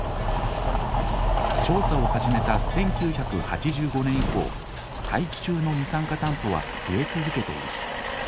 調査を始めた１９８５年以降大気中の二酸化炭素は増え続けている。